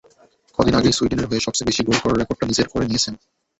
কদিন আগেই সুইডেনের হয়ে সবচেয়ে বেশি গোল করার রেকর্ডটা নিজের করে নিয়েছেন।